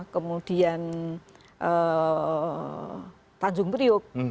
kemudian tanjung priuk